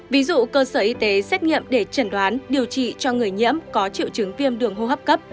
ví dụ cơ sở y tế xét nghiệm để chẩn đoán điều trị cho người nhiễm có triệu chứng viêm đường hô hấp cấp